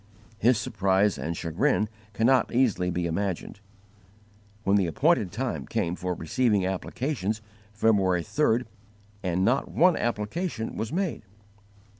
His surprise and chagrin cannot easily be imagined, when the appointed time came for receiving applications, February 3rd, and _not one application was made!